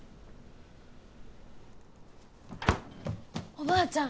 おばあちゃん